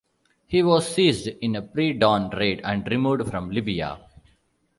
He was seized in a pre-dawn raid and removed from Libya.